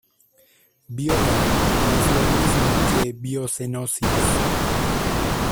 Biota no es lo mismo que biocenosis.